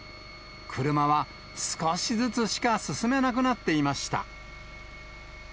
車は少しずつしか進めなくなっていました。